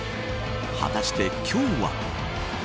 果たして今日は。